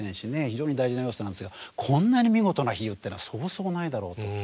非常に大事な要素なんですがこんなに見事な比喩っていうのはそうそうないだろうと。